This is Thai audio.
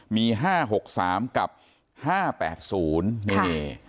มี๕๖๓กับ๕๘๐นี่